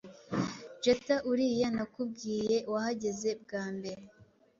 Jetha uriya nakubwiye wahageze bwa mbere